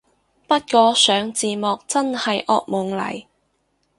不過上字幕真係惡夢嚟